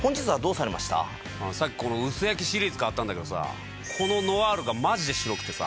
さっきこの薄焼きシリーズ買ったんだけどさぁこのノアールがマジで白くてさ。